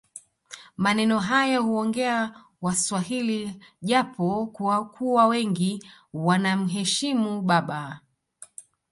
Maneno haya huongea waswahili japo kuwa wengi wanamheshimu baba